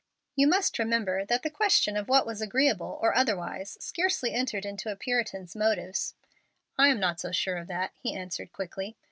"You must remember that the question of what was agreeable or otherwise scarcely entered into a Puritan's motives." "I am not so sure of that," he answered, quickly.